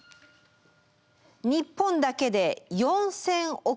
日本だけで４，０００億円。